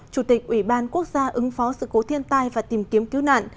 chủ tịch ủy ban quốc gia ứng phó sự cố thiên tai và tìm kiếm cứu nạn